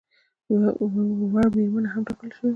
وړ مېرمنه هم ټاکل شوې وه.